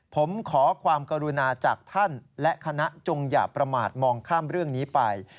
ผมขอความกรุณาจากท่านและคณะจงอย่าประมาทมองข้ามเรื่องนี้ไป